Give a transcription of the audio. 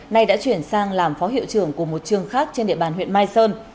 nay đã chuyển sang làm phó hiệu trưởng của một trường khác trên địa bàn huyện mai sơn